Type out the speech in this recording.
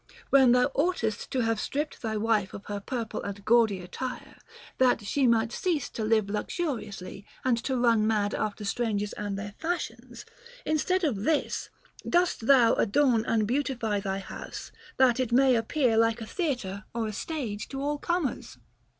When thou oughtest to have stripped thy wife of her purple and gaudy attire, that she might cease to live luxuriously and to run mad after strangers and their fashions, instead of this, dost thou adorn and beautify thy house, that it may appear like a theatre or a stage to all comers